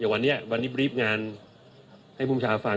แต่วันนี้วันนี้บรีฟงานให้ภูมิชาฟัง